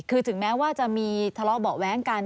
คือถึงแม้ว่าจะมีทะเลาะเบาะแว้งกัน